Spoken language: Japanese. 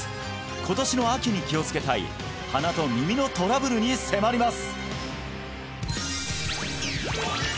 今年の秋に気をつけたい鼻と耳のトラブルに迫ります！